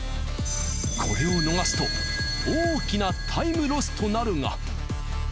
これを逃すと大きなタイムロスとなるが。